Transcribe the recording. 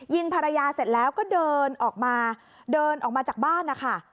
ยิงภรรยาเสร็จแล้วก็เดินออกมาจากบ้านนะคะ